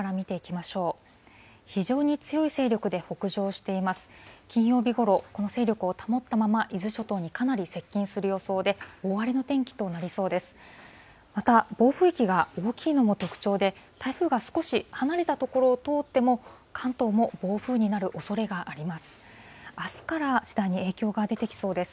また、暴風域が大きいのも特徴で、台風が少し離れた所を通っても、関東も暴風になるおそれがあります。